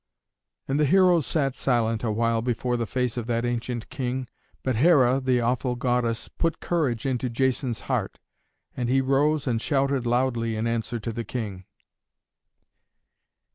And the heroes sat silent awhile before the face of that ancient King. But Hera, the awful goddess, put courage into Jason's heart, and he rose and shouted loudly in answer to the King.